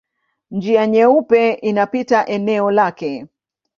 Njia Nyeupe inapita eneo lake.